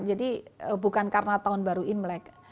jadi bukan karena tahun baru imlek